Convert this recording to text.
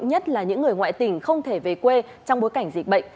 nhất là những người ngoại tỉnh không thể về quê trong bối cảnh dịch bệnh